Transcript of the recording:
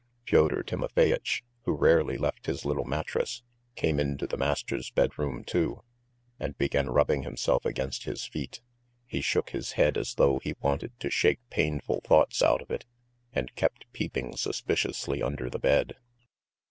Fyodor Timofeyitch, who rarely left his little mattress, came into the master's bedroom too, and began rubbing himself against his feet. He shook his head as though he wanted to shake painful thoughts out of it, and kept peeping suspiciously under the bed.